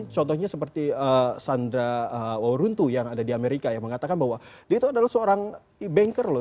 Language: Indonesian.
contohnya seperti sandra wauruntu yang ada di amerika yang mengatakan bahwa dia itu adalah seorang banker loh